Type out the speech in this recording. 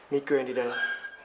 miko yang di dalam